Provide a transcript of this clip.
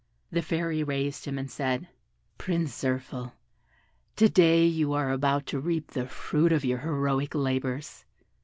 The Fairy raised him, and said, "Prince Zirphil, to day you are about to reap the fruit of your heroic labours.